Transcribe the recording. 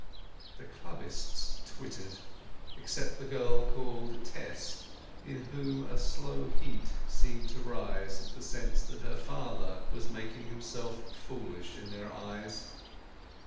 The clubbists tittered, except the girl called Tess—in whom a slow heat seemed to rise at the sense that her father was making himself foolish in their eyes.